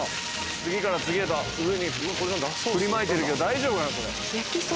次から次へと上にふりまいてるけど大丈夫なの？